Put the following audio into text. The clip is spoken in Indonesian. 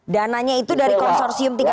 dananya itu dari konsorsium tiga ratus tiga ya